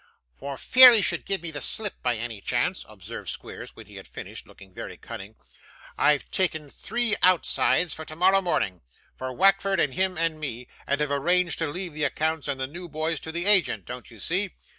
'For fear he should give me the slip, by any chance,' observed Squeers, when he had finished, looking very cunning, 'I've taken three outsides for tomorrow morning for Wackford and him and me and have arranged to leave the accounts and the new boys to the agent, don't you see?